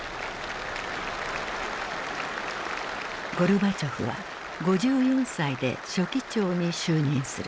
ゴルバチョフは５４歳で書記長に就任する。